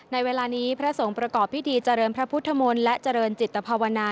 ในเวลานี้พระสงฆ์ประกอบพิธีเจริญพระพุทธมนต์และเจริญจิตภาวนา